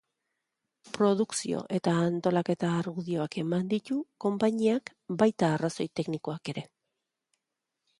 Produkzio eta antolaketa argudioak eman ditu konpainiak, baita arrazoi teknikoak ere.